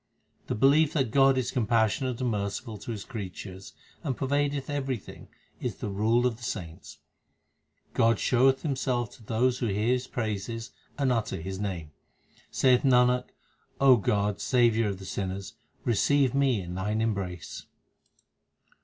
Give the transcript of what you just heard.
The belief that God is compassionate and merciful to His creatures and pervadeth everything is the rule of the saints. God showeth Himself to those who hear His praises and utter His name. Saith Nanak, O God, Saviour of sinners, receive me in Thine embrace.